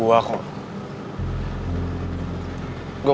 gue gak ada masalah sama mantan gue kok